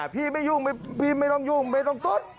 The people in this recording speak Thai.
พี่ไม่ยุ่งพี่ไม่ต้องยุ่งไม่ต้องตุ๊ด